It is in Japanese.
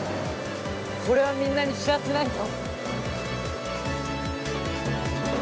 これはみんなに知らせないと。